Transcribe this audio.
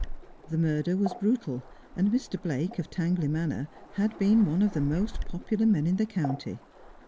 The murder was brutal, and Mr. Blake, of Tangley Manor, had been one of the most popular men in the county.